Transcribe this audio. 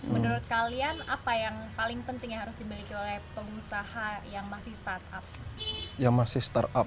menurut kalian apa yang paling penting yang harus dimiliki oleh pengusaha yang masih startup